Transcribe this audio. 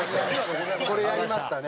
これやりましたね。